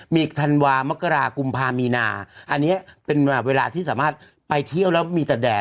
มีธันวามกรากุมภามีนาอันนี้เป็นเวลาที่สามารถไปเที่ยวแล้วมีแต่แดด